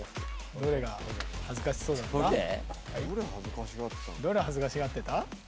どれ恥ずかしがってた？